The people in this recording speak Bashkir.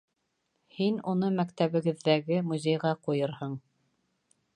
Һин уны мәктәбегеҙҙәге музейға ҡуйырһың.